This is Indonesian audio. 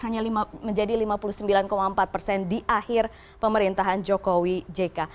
hanya menjadi lima puluh sembilan empat persen di akhir pemerintahan jokowi jk